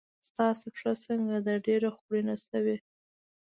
ستاسې پښه څنګه ده؟ ډېره خوړینه شوې.